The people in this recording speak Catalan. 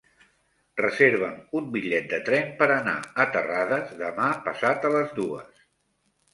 Reserva'm un bitllet de tren per anar a Terrades demà passat a les dues.